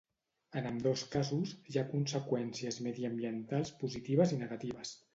En ambdós casos, hi ha conseqüències mediambientals positives i negatives.